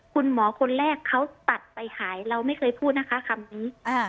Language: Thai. คุณหมอคนแรกเขาตัดไปหายเราไม่เคยพูดนะคะคำนี้